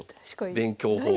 勉強法が。